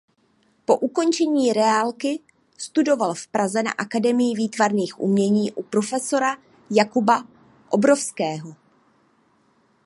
Po ukončení reálky studoval v Praze na Akademii výtvarných umění u profesora Jakuba Obrovského.